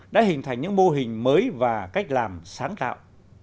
đã hình thành những mô hình mới và cách làm sáng tạo